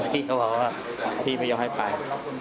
พี่เขาบอกว่าพี่ไม่ยอมให้ไป